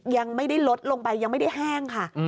ยังไม่ได้ลดลงไปยังไม่ได้แห้งค่ะ